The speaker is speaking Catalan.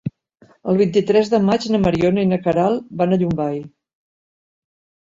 El vint-i-tres de maig na Mariona i na Queralt van a Llombai.